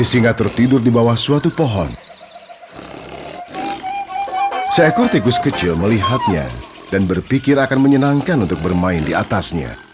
sisinga akan menyenangkan untuk bermain di atasnya